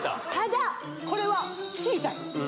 ただこれは効いたよ